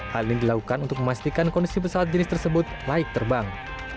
hal ini dilakukan untuk memastikan kondisi pesawat jenis tersebut baik terbang